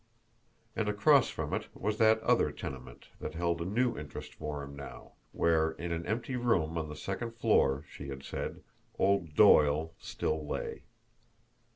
And across from it was that other tenement, that held a new interest for him now, where, in an empty room on the second floor, she had said, old Doyle still lay.